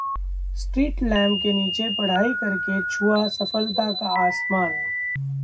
street lamp के नीचे पढ़ाई करके छुआ सफलता का आसमान